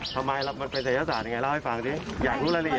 ทำไมมันเป็นศัยศาสตร์ยังไงเล่าให้ฟังสิอยากรู้รายละเอียด